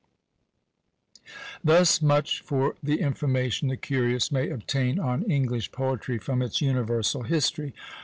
Thus much for the information the curious may obtain on English poetry from its universal history.